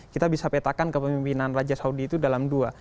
kita bisa petakan kepemimpinan raja saudi itu dalam dua